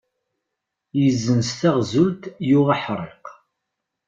Izzenz taɣzut yuɣ aḥṛiq.